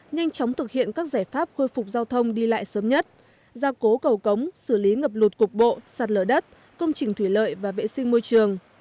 nhanh chóng thực hiện các giải pháp khôi phục giao thông đi lại sớm nhất gia cố cầu cống xử lý ngập lụt cục bộ sạt lở đất công trình thủy lợi và vệ sinh môi trường